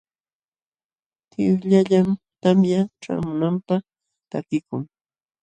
Tiwllallam tamya ćhaamunanpaq takikun.